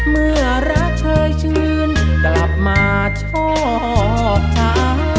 เมื่อรักเคยชื้นกลับมาชอบช้า